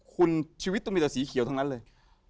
คุณชีวิตต้องมีแต่สีเขียวทั้งนั้นเลย